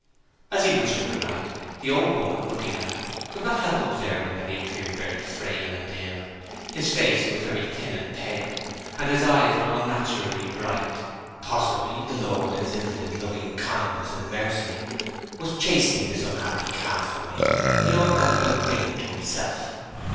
As he wished her good night, the old woman, looking at him, could not help observing that he appeared very frail and ill: his face was very thin and pale, and his eyes were unnaturally bright. Possibly the Lord in His infinite loving kindness and mercy was chastening this unhappy castaway in order that He might bring him to Himself.